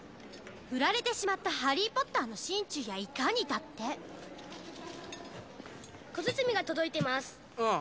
「フラれてしまったハリー・ポッターの心中やいかに」だって小包が届いてますああ